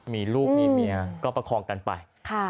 มีลูกมีเมียก็ประคองกันไป